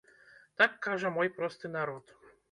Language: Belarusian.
Так кажа мой просты народ.